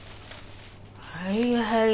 はいはい。